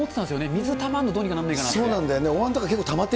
水たまるの、どうにかなんないかなって。